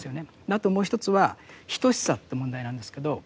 あともう一つは等しさって問題なんですけど。